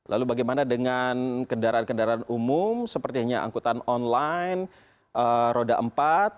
lalu bagaimana dengan kendaraan kendaraan umum sepertinya angkutan online roda empat